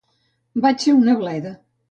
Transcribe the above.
Vaig ser una bleda.